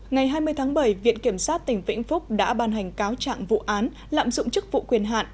ngày hai mươi tháng bảy viện kiểm sát tỉnh vĩnh phúc đã ban hành cáo trạng vụ án lạm dụng chức vụ quyền hạn